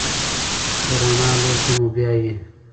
د رڼا لور ته مو بیايي.